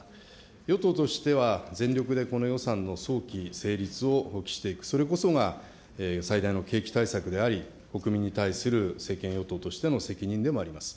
与党としては、全力でこの予算の早期成立を期していく、それこそが最大の景気対策であり、国民に対する政権与党としての責任でもあります。